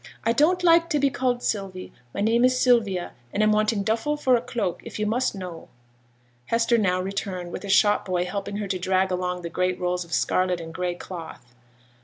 'I don't like to be called "Sylvie;" my name is Sylvia; and I'm wanting duffle for a cloak, if you must know.' Hester now returned, with a shop boy helping her to drag along the great rolls of scarlet and gray cloth.